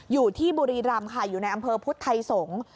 อยู่ที่บุรีรำค่ะอยู่ในอำเภอพุทธไทยสงศ์